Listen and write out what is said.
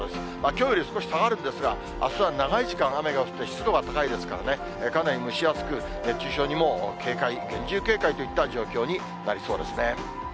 きょうより少し下がるんですが、あすは長い時間、雨が降って、湿度が高いですからね、かなり蒸し暑く、熱中症にも警戒、厳重警戒といった状況になりそうですね。